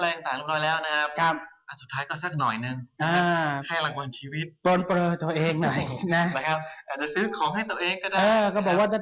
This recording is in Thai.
อยากจะซื้อของให้ตัวเองก็ได้